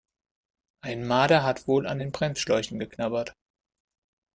Ein Marder hat wohl an den Bremsschläuchen geknabbert.